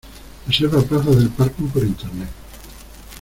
Reserva plazas de parking por Internet.